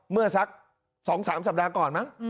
เมื่อสัก๒๓สัปดาห์ก่อนมั้ง